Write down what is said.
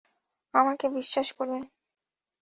আমাকে বিশ্বাস করুন!